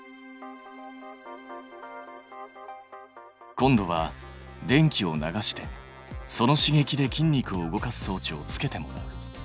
今度は電気を流してその刺激で筋肉を動かす装置をつけてもらう。